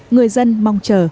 người dân mong chờ